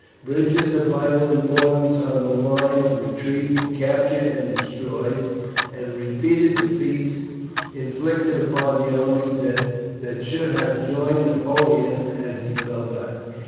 Bridges of vital importance on the line of retreat were captured and destroyed, and repeated defeats inflicted upon the armies that should have joined Napoleon as he fell back.